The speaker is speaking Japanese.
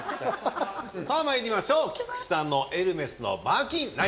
さぁまいりましょう菊地さんのエルメスのバーキン。